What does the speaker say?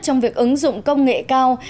trong việc ứng dụng công nghệ cao